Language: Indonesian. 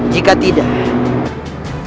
jika tidak aku